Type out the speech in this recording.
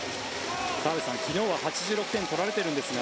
澤部さん、昨日は８６点取られているんですが